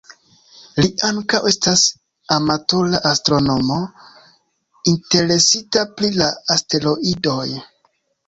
Li ankaŭ estas amatora astronomo interesita pri la asteroidoj.